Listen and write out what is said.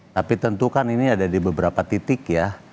tapi tentu kan ini ada di beberapa titik ya